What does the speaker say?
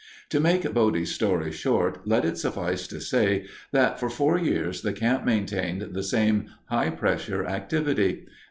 To make Bodie's story short, let it suffice to say that for four years the camp maintained the same high pressure activity.